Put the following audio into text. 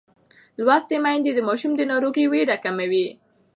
لوستې میندې د ماشوم د ناروغۍ وېره کموي.